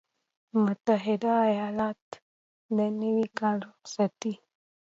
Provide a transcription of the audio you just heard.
متحده ایالات - د نوي کال رخصتي